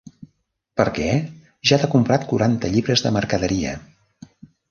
Per què, ja t'ha comprat quaranta lliures de mercaderia.